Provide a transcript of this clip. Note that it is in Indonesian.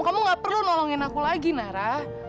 kamu gak perlu nolongin aku lagi nara